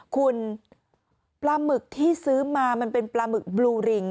คุณปลาหมึกที่ซื้อมามันเป็นปลาหมึกบลูริง